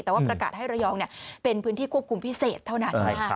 แต่ว่าประกาศให้ระยองเป็นพื้นที่ควบคุมพิเศษเท่านั้น